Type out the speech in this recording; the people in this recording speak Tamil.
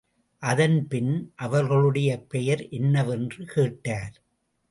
அதன் பின், அவர்களுடைய பெயர் என்னவென்று கேட்டார்.